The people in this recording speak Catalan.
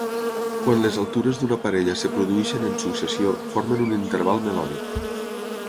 Quan les altures d'una parella es produeixen en successió, formen un Interval melòdic.